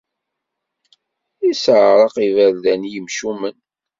Isseɛraq iberdan i yimcumen.